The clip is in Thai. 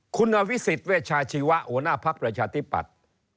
คุณอภิษฎเวชาชีวะหัวหน้าภักดิ์ประชาธิปัตย์